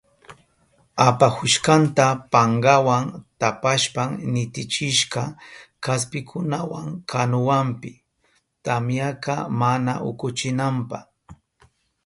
Apahushkanta pankawa tapashpan nitichishka kaspikunawa kanuwanpi, tamyaka mana ukuchinanpa.